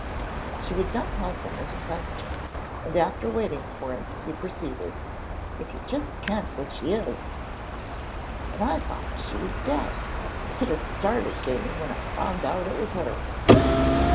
She would not help him with a question, and after waiting for it he proceeded. "If you just kent wha she is! And I thought she was dead! What a start it gave me when I found out it was her!"